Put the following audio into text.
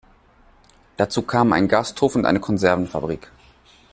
Dazu kamen ein Gasthof und eine Konservenfabrik.